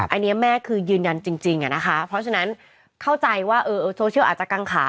อันนี้แม่คือยืนยันจริงอะนะคะเพราะฉะนั้นเข้าใจว่าโซเชียลอาจจะกังขา